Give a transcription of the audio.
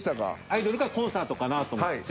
アイドルかコンサートかなと思って。